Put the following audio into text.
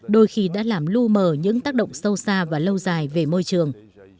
đôi khi đã làm lưu mờ những tác động sâu xa và lâu dài về môi trường